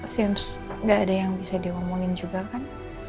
sains gak ada yang bisa diomongin juga kan